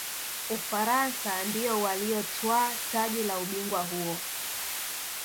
ufaransa ndiyo waliyotwaa taji la ubingwa huo